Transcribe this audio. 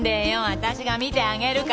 わたしが見てあげるから。